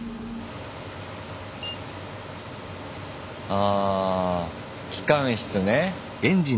あぁ機関室ね。